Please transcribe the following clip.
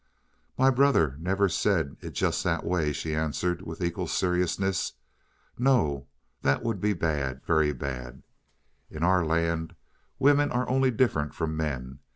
"My brother never said it just that way," she answered with equal seriousness. "No, that would be bad very bad. In our land women are only different from men.